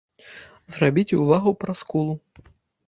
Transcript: Зрабіце ўвагу пра скулу.